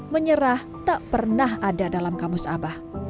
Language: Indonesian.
menyerah tak pernah ada dalam kamus abah